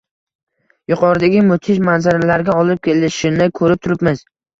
yuqoridagi mudhish manzaralarga olib kelishini ko‘rib turibmiz.